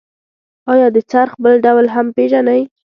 آیا د څرخ بل ډول هم پیژنئ؟